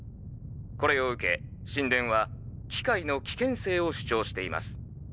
これを受け神殿は機械の危険性を主張しています。